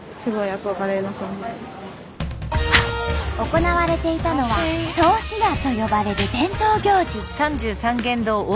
行われていたのは「通し矢」と呼ばれる伝統行事。